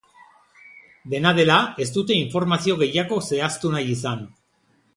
Dena dela, ez dute informazio gehiago zehaztu nahi izan.